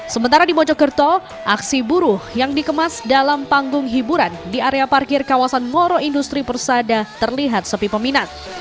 sementara di mojokerto aksi buruh yang dikemas dalam panggung hiburan di area parkir kawasan moro industri persada terlihat sepi peminat